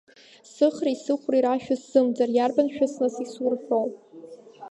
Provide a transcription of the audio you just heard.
Сыхреи сыхәреи рашәа сзымҵар, иарбан шәас, нас, исурҳәо.